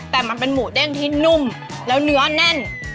แต่มันเป็นหมูเด้งที่นุ่มแล้วเนื้อแน่น